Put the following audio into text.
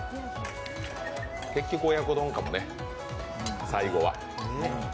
結局、親子丼かもね、最後は。